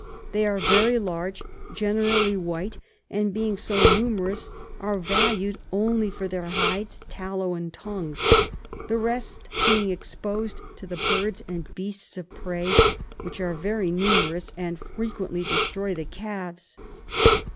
They are very large, generally white, and being so numerous, are valu'd only for their Hides, Tallow, and Tongues; the rest being expos'd to the Birds and Beasts of Prey, which are very numerous, and frequently destroy the Calves.